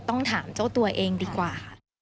ต้องถามเจ้าตัวเองดีกว่า